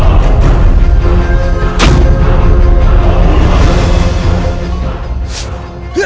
kami akan menangkap kalian